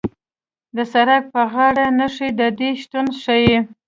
د سړک په غاړه نښې د دې شتون ښیي